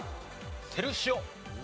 セルシオ。